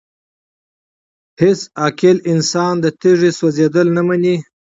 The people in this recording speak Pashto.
هيڅ عاقل انسان د تيږي سوزيدل نه مني!!